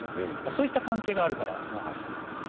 そういった関係があるからなんです。